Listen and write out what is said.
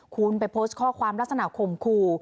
คุณไปโพสต์ข้อความลักษณะข่มขู่